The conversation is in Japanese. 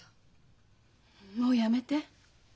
もうやめて。